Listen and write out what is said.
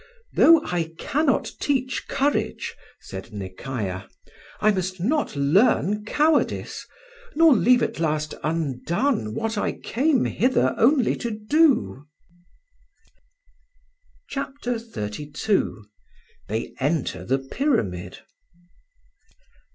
"Though I cannot teach courage," said Nekayah, "I must not learn cowardice, nor leave at last undone what I came hither only to do." CHAPTER XXXII THEY ENTER THE PYRAMID.